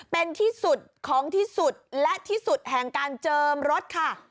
เป็นที่สุดของที่สุดและที่สุดแห่งการเจิมรถค่ะ